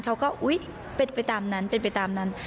อุ๊ยเป็นไปตามนั้นเป็นไปตามนั้น